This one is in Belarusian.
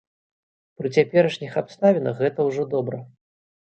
Пры цяперашніх абставінах гэта ўжо добра.